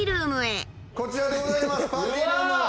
こちらでございます。